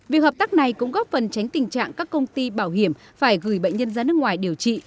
việc hợp tác này cũng góp phần tránh tình trạng các công ty bảo hiểm phải gửi bệnh nhân ra nước ngoài điều trị